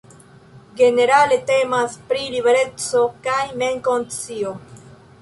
Generale temas pri libereco kaj mem-konscio.